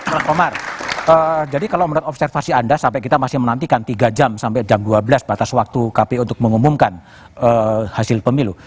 pak komar jadi kalau menurut observasi anda sampai kita masih menantikan tiga jam sampai jam dua belas batas waktu kpu untuk mengumumkan hasil pemilu